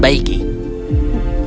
apa yang akan diperbaiki